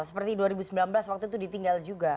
seperti dua ribu sembilan belas waktu itu ditinggal juga